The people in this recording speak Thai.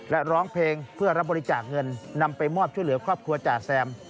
และร้องเพลงเพื่อรับบริจาคเงินนำไปมอบช่วยเหลือครอบครัวจ่าแซม